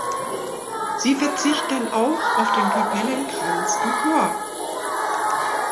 Sie verzichten auch auf den Kapellenkranz im Chor.